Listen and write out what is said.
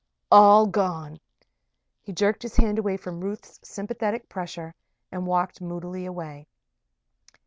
All gone!" He jerked his hand away from Ruth's sympathetic pressure and walked moodily away.